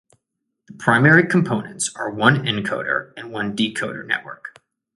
The primary components are one encoder and one decoder network.